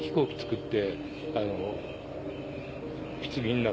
って。